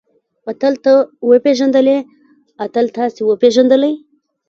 اتل تۀ وپېژندلې؟ اتل تاسې وپېژندلئ؟